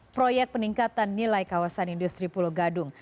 proyek peningkatan nilai kawasan industri pulau gadung